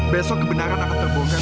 besok kebenaran akan terbongkar